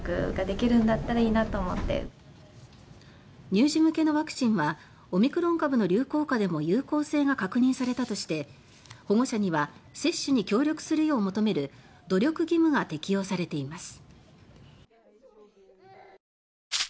乳幼児向けのワクチンはオミクロン株の流行下でも有効性が確認されたとして保護者には接種に協力するよう求める努力義務が適用されています。